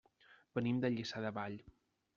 Venim de Lliçà de Vall.